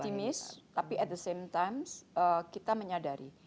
optimis tapi at the same time kita menyadari